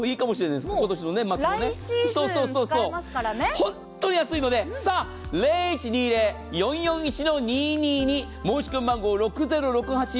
本当に安いのでさあ、０１２０‐４４１‐２２２申し込み番号６０６８４